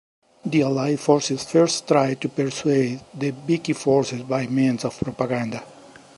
The Allied forces first tried to persuade the Vichy forces by means of propaganda.